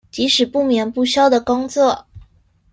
即使不眠不休的工作